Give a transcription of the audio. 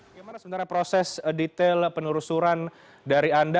bagaimana sebenarnya proses detail penelusuran dari anda